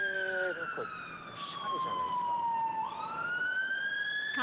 何かおしゃれじゃないですか。